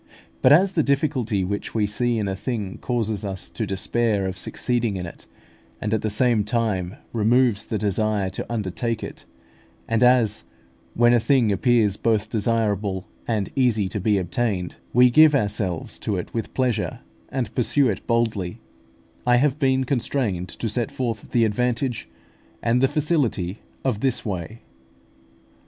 But as the difficulty which we see in a thing causes us to despair of succeeding in it, and at the same time removes the desire to undertake it; and as, when a thing appears both desirable and easy to be attained, we give ourselves to it with pleasure, and pursue it boldly; I have been constrained to set forth the advantage and the facility of this way.